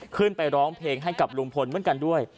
ขึ้นไปร้องเพลงให้กับลุงพลเหมือนกันด้วย